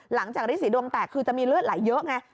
หลังจากฤษีดวงแตกคือจะมีเลือดไหลเยอะไง